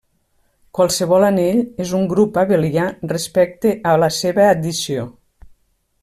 Qualsevol anell és un grup abelià respecte a la seva addició.